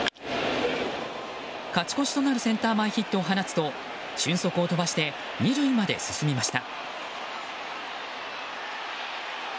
勝ち越しとなるセンター前ヒットを放つと俊足を飛ばして２塁まで進みました。